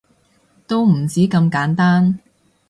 都唔止咁簡單